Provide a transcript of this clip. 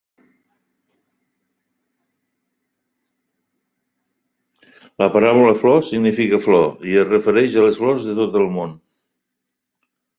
La paraula 'flor' significa flor i es refereix a les flors de tot el món.